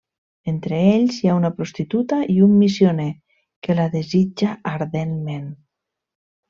Entre ells hi ha una prostituta i un missioner que la desitja ardentment.